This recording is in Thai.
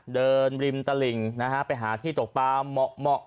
เดินริมตระหลิงไปหาที่ตกปลาเหมาะ